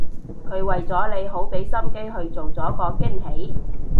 佢為咗你好畀心機去做咗個驚喜